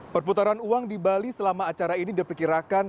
perputaran uang di bali selama acara ini diperkirakan